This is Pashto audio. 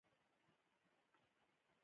یو سل او څلورمه پوښتنه د کارکوونکي حقوق دي.